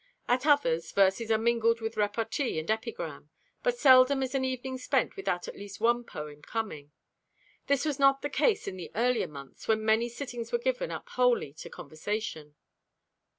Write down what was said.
At others, verses are mingled with repartee and epigram, but seldom is an evening spent without at least one poem coming. This was not the case in the earlier months, when many sittings were given up wholly to conversation.